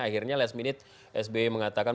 akhirnya last minute sby mengatakan